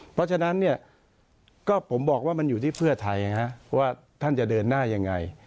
เพราะฉะนั้นเนี่ยก็ผมบอกว่ามันอยู่ที่เพื่อไทยว่าท่านจะเดินหน้ายังไง